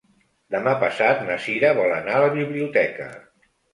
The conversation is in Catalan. Demà passat na Sira vol anar a la biblioteca.